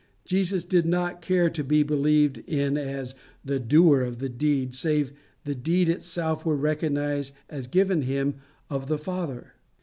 Jesus did not care to be believed in as the doer of the deed, save the deed itself were recognized as given him of the Father.